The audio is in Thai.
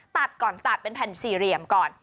ตัดก่อนตัดเป็นแผ่นสี่เหลี่ยมก่อน